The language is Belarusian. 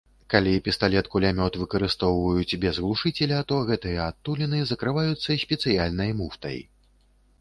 Калі пісталет-кулямёт выкарыстоўваюць без глушыцеля, то гэтыя адтуліны закрываюцца спецыяльнай муфтай.